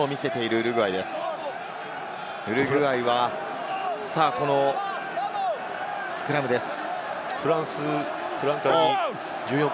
ウルグアイは、このスクラムです。